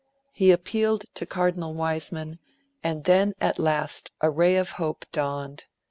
He appealed to Cardinal Wiseman, and then at last a ray of hope dawned.